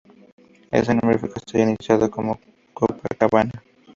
Ese nombre fue castellanizado como Copacabana.